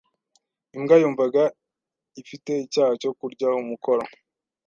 Imbwa yumvaga ifite icyaha cyo kurya umukoro.